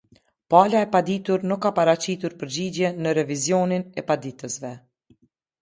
Pala e paditur nuk ka paraqitur përgjigje në revizionin e paditësve.